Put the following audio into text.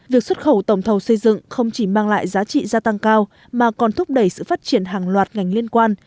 việc xuất khẩu tổng thầu xây dựng không chỉ mang lại giá trị gia tăng cao mà còn thúc đẩy sự phát triển hàng loạt ngành liên quan